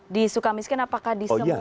di suka miskin apakah di semua dilakukan